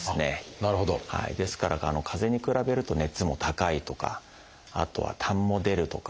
ですからかぜに比べると熱も高いとかあとはたんも出るとか。